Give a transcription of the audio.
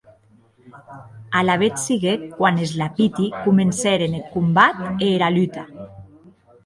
Alavetz siguec quan es lapiti comencèren eth combat e era luta.